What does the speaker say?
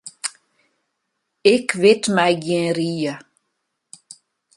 Ik wit my gjin rie.